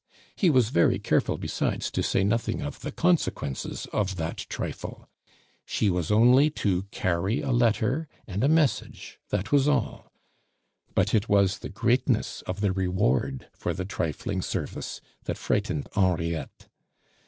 He was very careful besides to say nothing of the consequences of that trifle. She was only to carry a letter and a message, that was all; but it was the greatness of the reward for the trifling service that frightened Henriette.